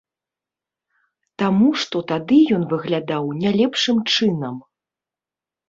Таму, што тады ён выглядаў не лепшым чынам.